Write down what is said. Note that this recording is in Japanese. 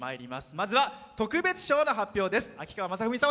まずは特別賞の発表です。